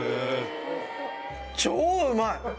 超うまい！